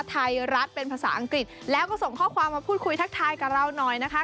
ไทยรัฐเป็นภาษาอังกฤษแล้วก็ส่งข้อความมาพูดคุยทักทายกับเราหน่อยนะคะ